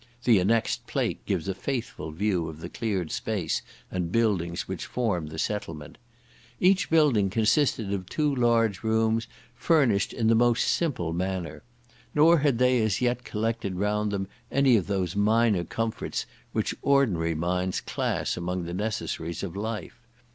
The annexed plate gives a faithful view of the cleared space and buildings which form the settlement. Each building consisted of two large rooms furnished in the most simple manner; nor had they as yet collected round them any of those minor comforts which ordinary minds class among the necessaries of life.